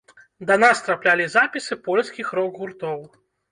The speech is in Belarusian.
Да нас траплялі запісы польскіх рок-гуртоў.